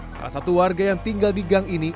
salah satu warga yang tinggal di gang ini